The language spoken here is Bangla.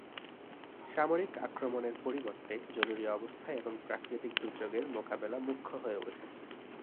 সামরিক আক্রমণের পরিবর্তে জরুরি অবস্থা এবং প্রাকৃতিক দুর্যোগের মোকাবেলা মুখ্য হয়ে ওঠে।